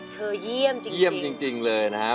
เธอเยี่ยมจริงเลยนะฮะ